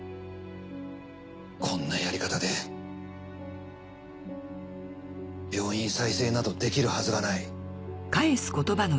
こんなやり方で病院再生などできるはずがない。